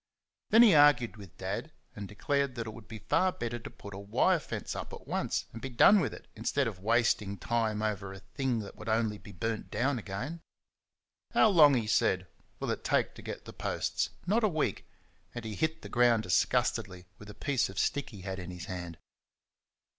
Then he argued with Dad, and declared that it would be far better to put a wire fence up at once, and be done with it, instead of wasting time over a thing that would only be burnt down again. "How long," he said, "will it take to get the posts? Not a week," and he hit the ground disgustedly with a piece of stick he had in his hand.